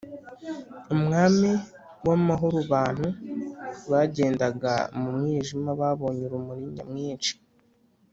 Umwami w’amahorobantu bagendaga mu mwijima babonye urumuri nyamwinshi,